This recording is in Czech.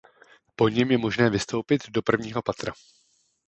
Po něm je možné vystoupit do prvního patra.